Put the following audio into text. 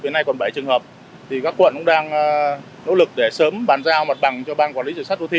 đến nay còn bảy trường hợp thì các quận cũng đang nỗ lực để sớm bàn giao mặt bằng cho ban quản lý